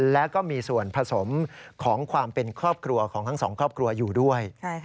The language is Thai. และก็มีส่วนผสมของความเป็นครอบครัวของทั้งสองครอบครัวอยู่ด้วย